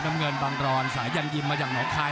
น้ำเงินบังรอนสายันยิมมาจากหนองคาย